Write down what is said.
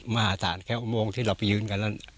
มหาศาลแค่อุโมงที่เราไปยืนกันแล้ว